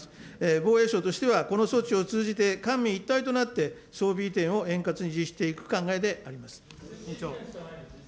防衛省としては、この措置を通じて、官民一体となって装備移転を円滑に実施していく考えであります。